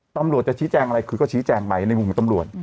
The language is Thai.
ตำรวจจะชี้แจงอะไรคือก็ชี้แจงไปในมุมของตำรวจ